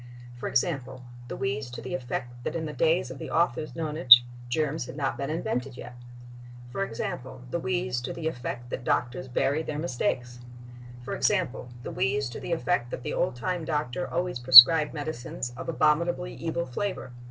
For example, the wheeze to the effect that in the days of the author's nonage "germs had not been invented yet." For example, the wheeze to the effect that doctors bury their mistakes. For example, the wheeze to the effect that the old time doctor always prescribed medicines of abominably evil flavor....